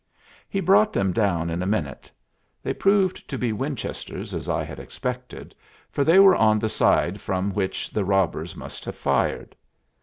He brought them down in a minute. They proved to be Winchesters, as I had expected, for they were on the side from which the robbers must have fired.